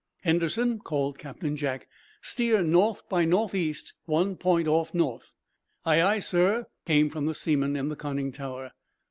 "Henderson," called Captain Jack, "steer north by northeast, one point off north." "Aye, aye, sir," came from the seaman in the conning tower.